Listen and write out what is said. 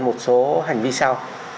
một số hành vi sau